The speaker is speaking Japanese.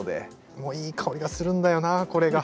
もういい香りがするんだよなぁこれが。